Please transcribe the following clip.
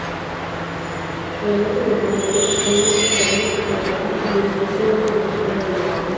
A la muerte del gran rey Al-Muqtadir, Al-Bayi le dirigió una emocionada elegía.